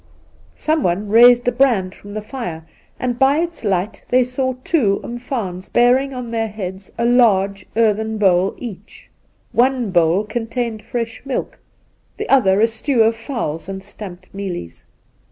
Someone raised a brand Induna Nairn 85 from " the fire, and by its light they saw two umfaans bearing on their heads a large earthen bowl each. One bowl contained fresh milk, the other a stew of fowls and stamped mealies.